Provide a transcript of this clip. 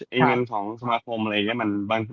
เงินของสมาคมอะไรอย่างนี้